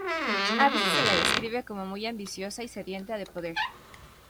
A veces se la describe como muy ambiciosa y sedienta de poder.